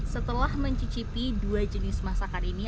setelah mencicipi dua jenis masakan ini